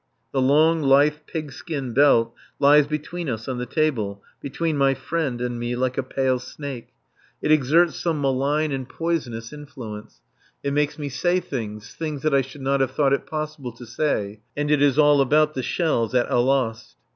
The long, lithe pigskin belt lies between us on the table between my friend and me like a pale snake. It exerts some malign and poisonous influence. It makes me say things, things that I should not have thought it possible to say. And it is all about the shells at Alost.